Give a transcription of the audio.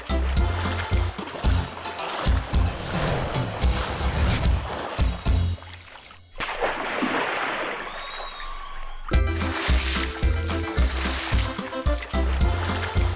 โปรดติดตามตอนต่อไป